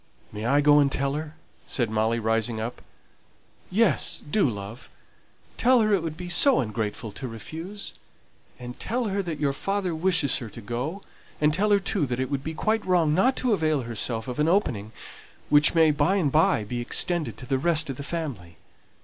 "May I go and tell her?" said Molly, rising up. "Yes, do, love. Tell her it would be so ungrateful to refuse; and tell her that your father wishes her to go; and tell her, too, that it would be quite wrong not to avail herself of an opening which may by and by be extended to the rest of the family.